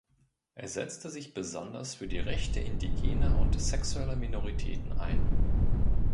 Er setzte sich besonders für die Rechte Indigener und sexueller Minoritäten ein.